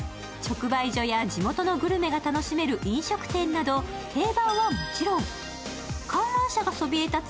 直売所や地元のグルメが楽しめる飲食店など定番はもちろん、観覧車がそびえ立つ